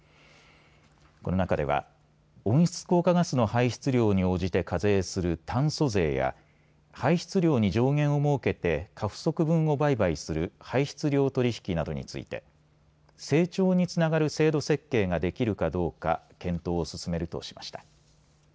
この中では温室効果ガスの排出量に応じて課税する炭素税や排出量に上限を設けて過不足分を売買する排出量取引などについて成長につながる制度設計ができるかどうか検討を進めるとしました。